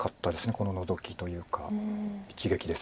このノゾキというか一撃です。